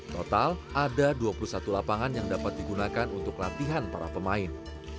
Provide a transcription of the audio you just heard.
total ada dua puluh satu lapangan yang dapat digunakan untuk latihan para pemain